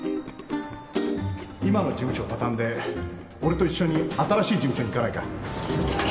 今の事務所畳んで俺と一緒に新しい事務所に行かないか？